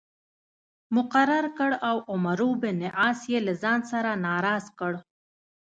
مقرر کړ او عمرو بن عاص یې له ځان څخه ناراض کړ.